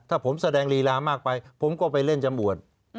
ถ้าผมแสดงลีลามากไปผมก็ไปเล่นจำรวจ